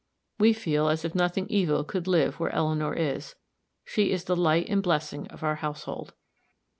We feel as if nothing evil could live where Eleanor is; she is the light and blessing of our household.